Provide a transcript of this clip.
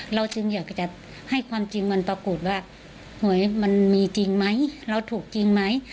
เราจึงอยากจะให้ความจริงมันปรากฏว่าหวยมันมีจริงไหมเราถูกจริงไหม